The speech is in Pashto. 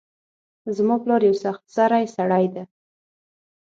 زما پلار یو سخت سرۍ سړۍ ده